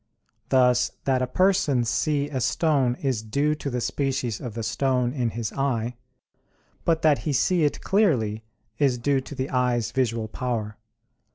Thus that a person see a stone is due to the species of the stone in his eye; but that he see it clearly, is due to the eye's visual power.